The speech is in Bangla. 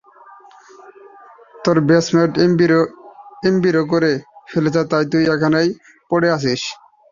তোর ব্যাচমেট এমবিএ করে ফেলেছে, আর তুই এখানেই পড়ে আছিস?